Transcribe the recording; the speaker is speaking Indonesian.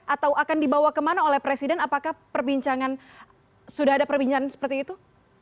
atau akan dibawa kemana oleh presiden apakah sudah ada perbincangan seperti itu